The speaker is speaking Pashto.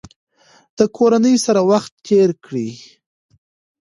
د کورنۍ سره وخت تیر کړئ.